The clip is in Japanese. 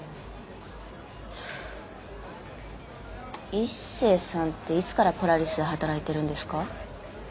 一星さんっていつからポラリスで働いてるんですか？